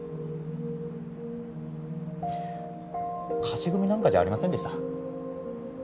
勝ち組なんかじゃありませんでした。